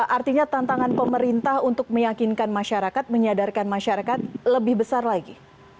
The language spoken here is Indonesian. artinya tantangan pemerintah untuk meyakinkan masyarakat menyadarkan masyarakat lebih besar lagi